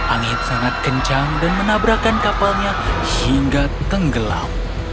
angin sangat kencang dan menabrakan kapalnya hingga tenggelam